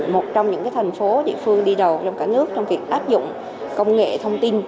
một trong những thành phố địa phương đi đầu trong cả nước trong việc áp dụng công nghệ thông tin